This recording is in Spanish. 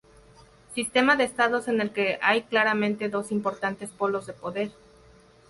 Sistema de estados en el que hay claramente dos importantes polos de poder.